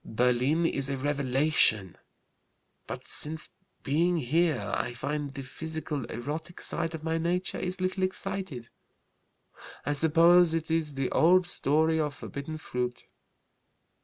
Berlin is a revelation. But since being here I find the physical erotic side of my nature is little excited. I suppose it is the old story of 'forbidden fruit.'